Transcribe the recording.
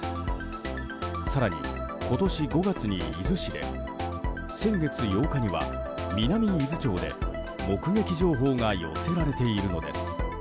更に、今年５月に伊豆市で先月８日には南伊豆町で目撃情報が寄せられているのです。